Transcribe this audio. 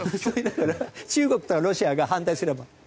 だから中国とかロシアが反対すれば。